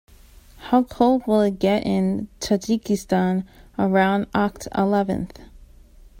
How cold will it get in Tajikistan around oct. eleventh?